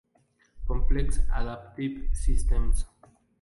Complex Adaptive Systems.